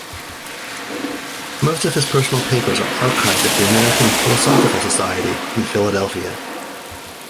Most of his personal papers are archived at the American Philosophical Society in Philadelphia.